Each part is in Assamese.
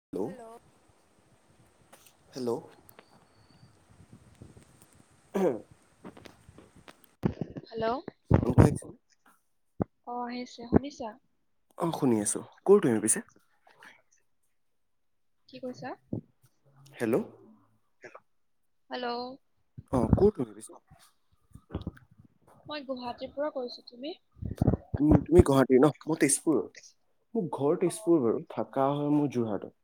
হেল্ল। হেল্ল'। Hello hello. [unintelligible] অ' আহি আছে শুনিছা? অ শুনি আছো। ক'ৰ তুমি পিছে? কি কৈছা? হেল্ল'। হেল্ল'। অ কত নো পিছে মই গুৱাহাটীৰ পৰা কৈছো তুমি উম তুমি গুৱাহাটী ন মোৰ তেজপুৰ মোৰ ঘৰ অ তেজপুৰ বাৰু থকা হয় মোৰ যোৰহাটত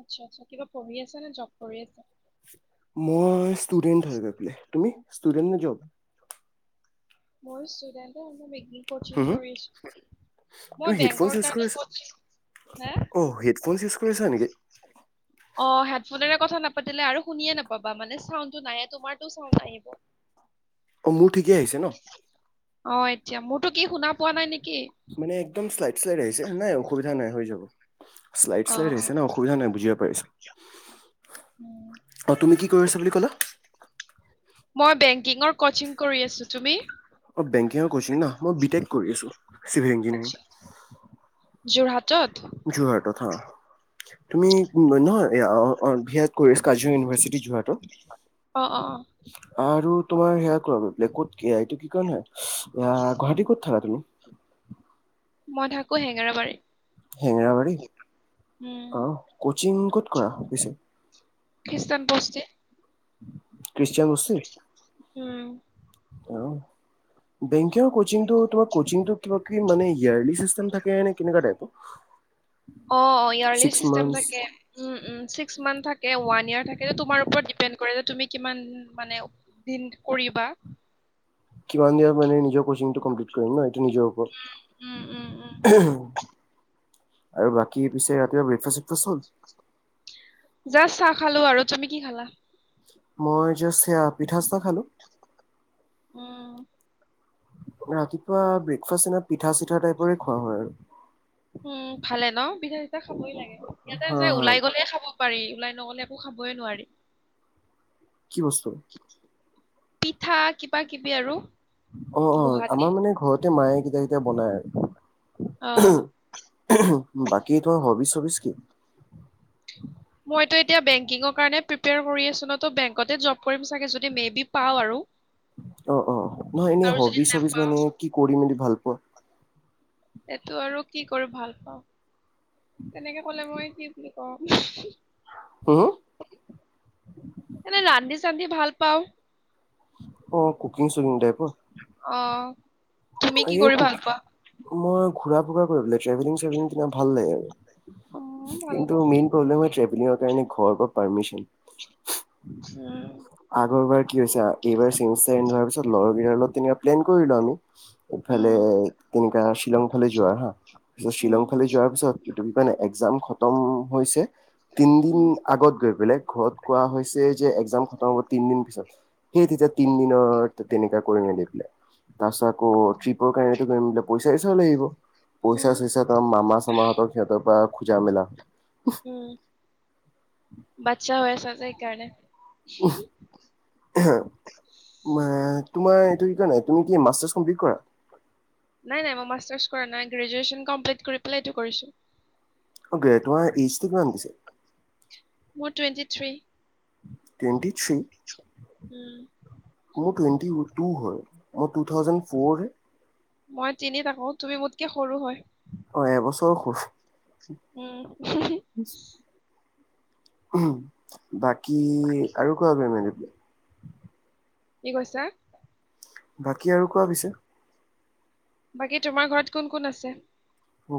আচ্ছা আচ্ছা কিবা পঢ়ি আছ নে জব কৰি আছে মই ষ্টুডেন্ট হয় গৈ প তুমি ষ্টুডেন্ট নে যব মোৰ ষ্টুডেণ্ট মই মেগ হু কচিং হু? কৰিছো তুমি মই হেডফোনছ বেংকৰ ইউজ কৰি কাৰণে আছা? কও হা অ হেডফোনছ ইউজ কৰি আছা নেকি? অ হেডফোনেৰে কথা নাপাতিলে আৰু শুনিয়ে নাপাবা মানে চাউনটো নাহে মানে তোমাৰো চাউণ্ড আহিব [unintelligible] অ মোৰ ঠিকেই আহিছে ন অ এতিয়া মোৰ মানে একদম শ্লাইড শ্লাইড আহিছে নাই অসুবিধা নাই হৈ যাব শ্লাইড অ শ্লাইড অ হৈছে ন অসুবিধা নাই বুজিব পাৰিছ উম। অঁ তুমি কি কৰি আছা বুলি ক'লা মই বেংকিঙৰ কচিং কৰি আছো তুমি বেংকি আৰু কৰিচা ন মই বিতেক কৰি আছো চিভিল ইঞ্জিয়াৰিং আচ্ছা [unintelligible] যোৰহাটত যোৰহাটত হয়। তুমি নহয় বিত [unintelligible] ক কাজিৰঙা ইউনিভাৰ্চিটি যোৱাটো। অ অ অ আৰু তোমাৰ সেয়া কোৱা ব্লে ক'ত কি এইটো কি কাৰ হয়। গুৱাহাটী ক'ত থাকা তুমি? [inaudible] মই থাকো হেঙেৰাবাৰী। উম অ কচিং ক'ত কৰা কচিং? খ্ৰীষ্টান [unintelligible] উ [unintelligible] উম। অ বেংকেও কচিংটো তোমাৰ কচিংটো, তোমাতকে মানে ইয়াৰল চিষ্টম থাকে নে কেনেকুৱা টাইপ? অ ইয়াৰলিস্ত চিচতেম থাকে উম উম চিস্কমাণ্ঠ থাকে ওৱান ইৱেৰ থাকে তোমাৰ উপৰত ডিপেণ্ড [unintelligible] তুমি কিমান মানে দিন কৰিবা। [unintelligible] কিমান দিন মানে নিজৰ কচিটোম্লিট কৰিম ন এইটো নিজৰ উম, উম, উম, ওপৰত। [unintelligible] [inaudible] আৰু বাকী পিছে ৰাতিপুৱা ব্ৰেকফাষ্ট চেকফাষ্ট হ'ল? জাষ্ট চাহ খালো আৰু। তুমি কি খালা? মই চেৱা- পিঠা চব খালোঁ। উম, ৰাতিপুৱা ব্ৰেকফাষ্ট পিঠা চিঠা টাইপৰে খোৱা হয় আৰু। উম ভালে ন পিঠা চিঠা খাবই লাগে। ইয়াতে হা যে হা ওলাই গলে খাব - পাৰি, ওলাই নগ'লে একো খাবে নোৱাৰি। [unintelligible] কি বস্ত? পিঠা কিবা কিবি আৰু। অ অ, গুৱাহাটী আমাৰ মানে ঘৰতে মায়ে কেতিয়াবা কেতিয়াবা বনাই আৰু। অ। বাকী তোমাৰ হবিচ - চবিচ কি? মই এতিয়া এতিয়া বেংকিঙৰ প্ৰিপেয়াৰ কৰি আছো। ত বেংকতে জব কৰিম চাগে, মে বি পাওঁ আৰু। অ অ, নহয় এনেই আৰু যদি হবিচ হবিচ নাপাওঁ মানে কি কৰিম বুলি ভাল পোৱা? এইটো আৰু কি কৰো ভাল পাওঁ, তেনেকে কলে মই কি বুলি কওঁ। হম এনে ৰা দিছ [unintelligible] চান্দি ভাল পাওঁ। অ কুকিং চুকিং টাইপ। অ। তুমি কি এই কৰি ভাল কুকিং পোৱা? মই ঘূৰা ফুৰা কৰিব, ট্ৰেভেলিং চেভেলিং তোমাৰ ভাল লাগে অ আৰু। ভাল কিন্তু পাওঁ মেইন প্ৰব্লেম হয় ট্ৰেভেলিঙৰ কাৰণে ঘৰ পাৰ্মিচন। উম আগৰবাৰ কি হৈছে, এইবাৰ চাইন হোৱাৰ পিছত লগৰ বিলাকতো লগত তেনেক প্লেন কৰিলো আমি। ইফালে উম তেনেকোৱা শ্বিলংফালে যোৱাৰ হা, তাৰ পিছত উম শ্বিলংফালে যোৱাৰ পিছত তুমি কোৱা নাই এক্সজাম খতম হৈছে, তিন দিন উম আগত গৈ পেলাই ঘৰত কোৱা হৈছে, যে এক্সজাম খটম হব তিন পিছত। সেই তেতিয়া তিন তেনে কৰি প ত [unintelligible] ট্ৰিপৰ কাৰণটো কৰিম বলে পইচা চইচ ও লাগিব, পইচা উম চইচা ত মামা চামাহঁতক সিহতৰ পৰা খুজা মেলা, উম, বাচ্ছা হৈ আছা যে এইকাৰণে। তোমাৰ এই কিুমি কি্ কৰা [unintelligible] নাই নাই মই মাষ্টাৰ্ছ কৰা নাই গ্ৰেজুৱেচন কমপ্লিট কৰি পেলাই এইটো কৰিছো। অকে তোমাৰ ইজটো কিমান দিছে? মোৰ twenty three. Twenty three? Um মোৰ টুৱেণ্টি টু হয়, মোৰ টু থাউজেণ্ড ফৰ যে। মই তিনি থাকো তুমি মোতকে সৰু হয় অ এবছৰ উম সৰু বাকী আৰু কোৱা বম বোলে, কি কৈছে। বাকী আৰু কোৱা পিছে? বাকী তোমাৰ ঘৰত কোন কোন আছে?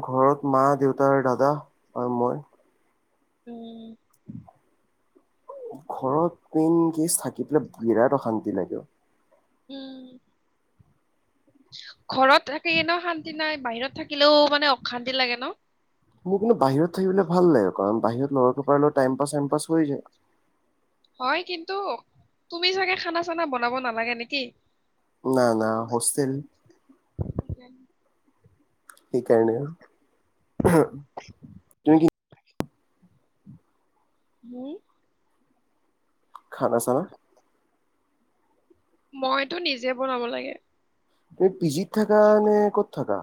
ঘৰত মা, দেউতা, দাদা আৰু মই, উম ঘৰত পিন্ গেছ থাকি পেলাই বিৰাট অশান্তি লাগে। উম ঘৰত থাকে এনে শান্তি নাই বাহিৰত থাকিলেও মানে অশান্তি লাগে ন, মোৰ কিন্তু বাহিৰত থাকিবলৈ ভাল লাগে কাৰণ বাহিৰত লৰা পাৰ লগ টাইম পাছ চাইম পাছ হৈ যায়। হয় কিন্তু তুমি চাগে খানা চানা বনাব নালাগে নেকি? ন না হোষ্টেল [inaudible] সেইকাৰণে, তুমি কি? উম খানা চানা? মইতো নিজে বনাব লাগে। পিজিত থাকা নে ক'ত থাকা?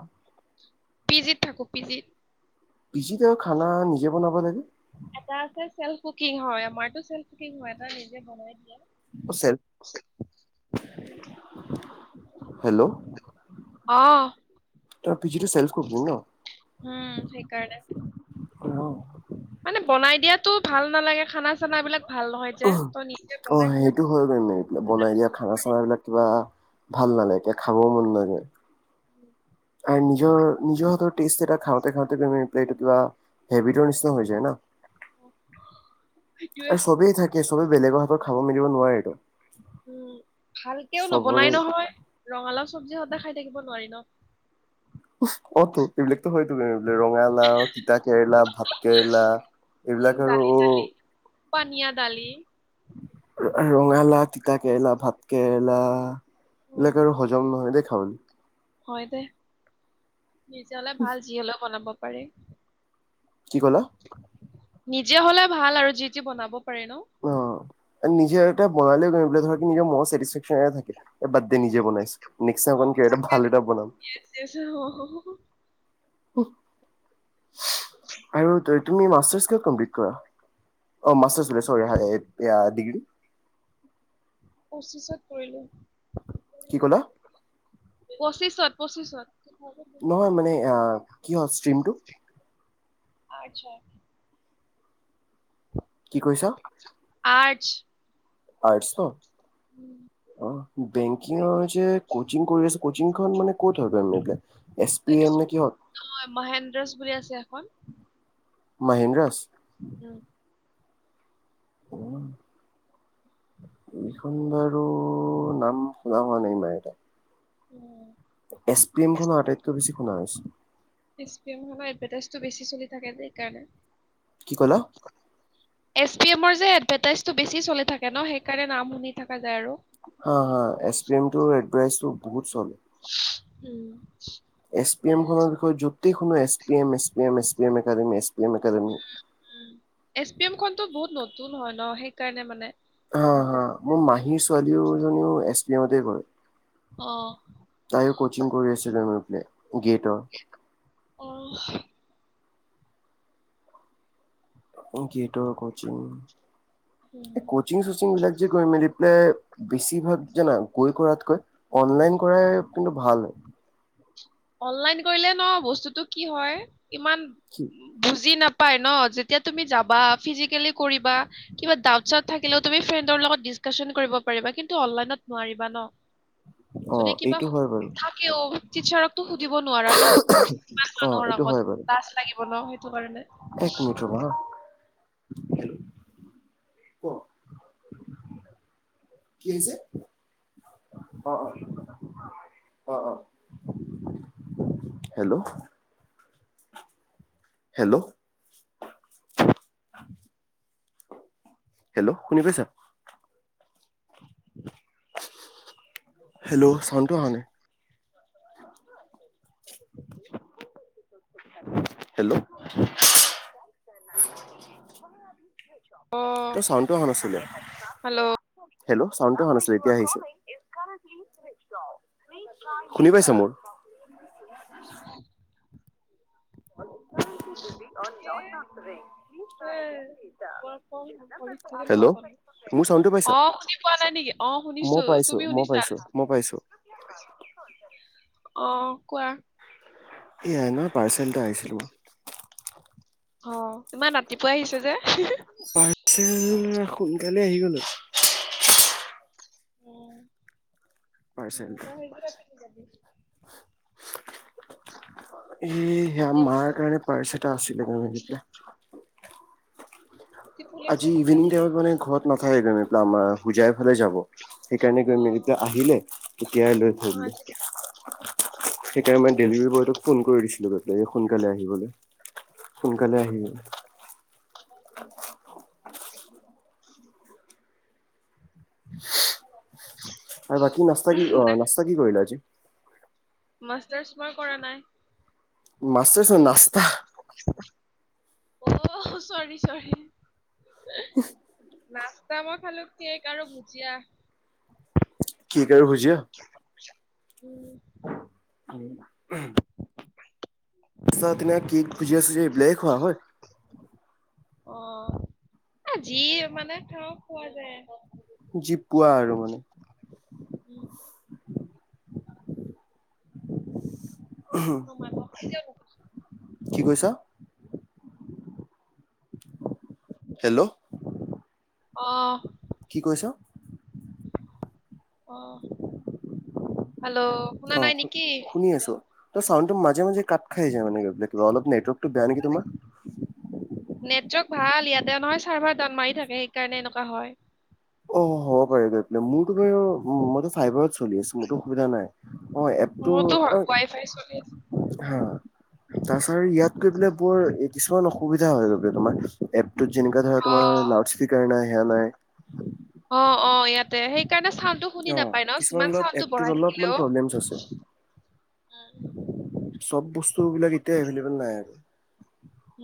পিজিত থাকো পিজিত। পিজিতে খানা নিজে বনাব লাগে। এটা আছে সেলফ কুকিং হয় আমাৰ টো ছেলফ কোকিং হয়, এটা নিজে বনাই দিয়ে। উ চেলফ আহ পিজি টো চেলফ কুকিং ন। উম, সেইকাৰণে মানে বনাই দিয়াতো ভাল নালাগে খানা চানা বিলাক ভাল নহয় যে তই নিজে অ বনাই খালে সেইটো ভাল। হয় মানে বনাই দিয়া খানা চানাবিলাক কিবা ভাল নালাগকে খাবও মন নযায়। উম আৰু নিজৰ নিজৰ এটা টেষ্ট খাওঁতে খাওঁতে প্লেটা হেবিটৰ নিচিনা হৈ যায় ন অ, সেইটোৱে আৰু চবেই থাকে চবেই বেলেগৰ হাতত খাব মেলিব নোৱাৰেটো উম ভালকেও নবনাই নহয় ৰঙালাও চবজি হতে খাই থাকিব নোৱাৰি ন। অত এইবিলাকতো হয় তুম ৰঙালাও তিতা কেৰেলা ভাত কেৰেলা এইবিলাক আৰু পনীয়া দালি ৰঙালা তিতা কেৰেলা ভাত কেৰেলা উম, এইবিলাক আৰু হজম নহয় দেই খাওনি। হয় দে নিজ হলে ভাল যি হ'লেও বনাব পাৰি কি ক'লা? নিতিয়া হলে ভাল আৰু যি যি বনাব পাৰি ন। অ নিজৰ এটা বনালৈ গম ধৰ নিজৰ ম থাকে এ বাদ দি নিজে বনাইছো অ মিষচাখন কিয় এটা ভাল এটা বনাম। আৰু তুমি মাষ্টাৰ ক [inaudible] পঁচিছত কি ক'লা? পৰিলো পঁচিছত পঁচিছত নহয় মানে কি হয় ষ্ট্ৰীমটো আত্ছা। কি কৈছ? আৰ্ট। আৰ্ট অ উম। বেংকিংৰ যে কচিং কৰি আছে কচিং খ মান ক'ত হয়? এছ পি এম নে কিহত? মহেন্দ্ৰজ বুলি আছে এখন মহাহেন্দ্ৰাস। উম, উম। ইখন বাৰু নাম শুনা হোৱা নাই ইমান এটা উম। এছ পি এম খনৰ আটাইতকৈ বেছি শুনা হৈছে। এছ পি এ এভাৰটাইজটো বেছি চলি থাকে যে সেই কাৰণে। কি কলা। এ পি এমৰ যে এডভাৰটাইজটো বেছি চলি থাকে ন সেইকাৰণে নাম শুনি থকা যায় আৰু S P M এডফাইচ S P um, এমখনৰ বিষয়ে Jyoti S P M S P M S P academy. S P M খনতো বহুত নতুন হয় ন সেইকাৰণে মানে। হ হা এডভাৰটাইজ। মোৰ মাহীৰ ছোৱালীওজনীও এছ পি এমতে কৰে। অ তাইও কচিং কৰি আছিল অলপতে অ। কিং উম। এই কচিং চচিং বিলাক যে গৈ মেলি। বেছিভাগ জানা গৈ কৰাতকৈ অনলাইন কৰাই কিন্তু ভাল হয়। অনলাইন কৰিলে ন বস্তুতটো কি হয় ইমান কি বুজি নাপায় প ন যেতিয়া তুমি যাবা ফিজিকেলি কৰিবা, কিবা ডাউট চাউট থাকিলেও তুমি ফ্ৰেণ্ডৰ লগত ডিচকাচন কিন্তু অনলাইনত নোৱাৰিবা ন? অ যদি কিবা এইটো হয় বাৰু থাকেও টিচাৰ সুধিব নোৱাৰা ন কিমান অ মানুহৰ এইটো আগত হয় বাৰু লাজ লাগিব ন সেইটো কাৰণে অ ক কি হৈছে? অ অ অ অ। হেল্লো' হেল্লো' হেল্লো' শুনি পাইছা? হেল্লো', চাউণ্ডটো আহা নাই। [unintelligible] হেল্লো', অ তোৰ চাউণ্ডটো অহা নাছিলে। হেল্ল' হেল্লো'চাউণ্ড টো অহা নাছিলে এতিয়া আহিছে। শুনি পাইছা মোৰ? [inaudible] [unintelligible] [unintelligible] হেল্লো', মোৰ চাউণ্ড টো পাইছা অ শুনি পোৱা নাই নেকি অ মই শুনিছো পাইছো -মই পাইছো -মই পাইছো। [unintelligible] অহ, কোৱা? এয়াই ন', পাৰ্চেলটো আহিছিল অহ, ইমান ৰাতিপুৱাই আহিছে পাৰ্চেল যে? [unintelligible] আহি গলো। পাৰ্চেল। উম-উম তই হেইজুৰে পিন্ধি যাবি। [inaudible] এই সেয়া মাৰ কাৰণে মাষ্টাৰ্ছ পাৰ্চ এটা আছিলে আজি ইভিনিং টাইমত মানে ঘৰত নাথাকে কাৰণে আমাৰ হোজাই ফালে যাব। সেইকাৰণে গৈ মেলি পেলাই আহিলে এতিয়াই লৈ থৈ দিলোঁ। সেইকাৰণে মই ডেলিভাৰী বয়টোক ফোন কৰি দিছিলো গৈ। [unintelligible] সোনকালে আহিবলে সোনকালে আহি [inaudible] [inaudible] আৰু বাকি নাস্তা কি অহ নাস্তা কি কৰিলা আজি? মাষ্টাৰ্চ মই কৰা নাই। মাষ্টাৰ্ছ নহয় নাস্তা অহ, চৰি - চৰি [unintelligible] [unintelligible] মই খালো কেক আৰু ভুজিয়া। কেক আৰু ভুজিয়া? [unintelligible] চাহ তেনেকা কেক, ভুজিয়া, - ছুজিয়া এইবিলাকে খোৱা হয়? অহ, যি মানে খাওঁ খোৱা যায়। জিপোৱা আৰু মানে মই [inaudible] [inaudible] [unintelligible] কি কৈছা? হেল্ল', অহ', কি কৈছা? অহ', অহ, শুনি আছো ত' চাউণ্ডটো মাজে -মাজে কাট খাই যায় মানে কিবা অলপ নেটৱৰ্ক টো বেয়া নেকি তোমাৰ? নেটৱৰ্ক ভাল ইয়াতে নহয় চাৰ্ভাৰ দাউন মাৰি থাকে সেইকাৰণে এনেকুৱা হয়। অহ, হ'ব পাৰে গৈ পেলা মোৰতো বাৰু মইটো ফাইবাৰ চ চলি আছে মোৰটো অসুবিধা নাই অহ এপটো মোৰতো ৱাই ফাই চলি আছে হা, তাৰছা আৰু ইয়াত গৈ বোলে বৰ কিছুমান অসুবিধা হয় [unintelligible] তোমাৰ যেনেকা ধৰা তোমাৰ অ। লাউড স্পিকাৰ নাই সেয়া নাই। অ', - অ', ইয়াতে সেইকাৰণে চাউণ্ডটো শুনি অ নাপায় ন' কিছুমান যিমান অলপ চাউণ্ডটো এপটোত বঢ়াই থাকিলে অলপমান অ', প্ৰব্লেমছ আছে আ', চব বস্তু বিলাক এতিয়া এভেইলেবল নাই আৰু।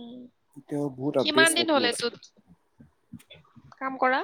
উম', এতিয়াও বহুত কিমান আপডেটছ দিন বাকী হল আছে এটো? কাম কৰা?